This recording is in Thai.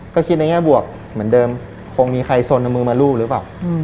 ก็คิดในแง่บวกเหมือนเดิมคงมีใครสนเอามือมารูปหรือเปล่า